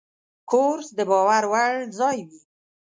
کورس د باور وړ ځای وي.